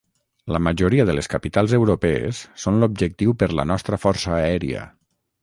La majoria de les capitals europees són l'objectiu per la nostra força aèria.